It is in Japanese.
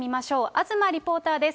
東リポーターです。